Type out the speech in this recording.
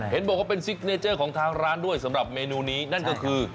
เห็นบอกว่าเป็นซิกเนเจอร์ของทางร้านด้วยสำหรับเมนูนี้นั่นก็คือ